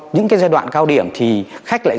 những cái giai đoạn cao điểm thì khách lại